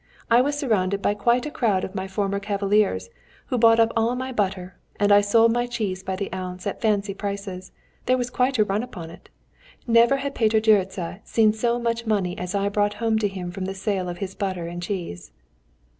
I was surrounded by quite a crowd of my former cavaliers, who bought up all my butter, and I sold my cheese by the ounce, at fancy prices; there was quite a run upon it. Never had Peter Gyuricza seen so much money as I brought home to him from the sale of his butter and cheese."